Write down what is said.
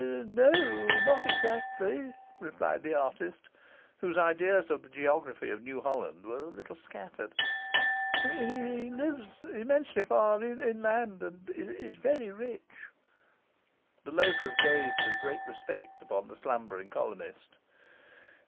'No, not exactly,' replied the artist, whose ideas of the geography of New Holland were a little scattered. 'He lives immensely far inland, and is very rich.' The loafers gazed with great respect upon the slumbering colonist.